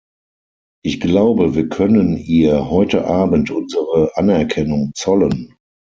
Ich glaube, wir können ihr heute Abend unsere Anerkennung zollen.